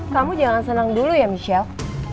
kamu jangan senang dulu ya michelle